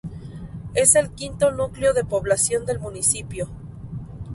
Es el quinto núcleo de población del municipio.